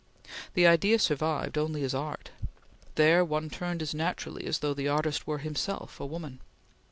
The idea survived only as art. There one turned as naturally as though the artist were himself a woman.